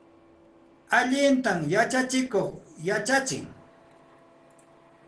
Allintam yachachin yachachiqqa.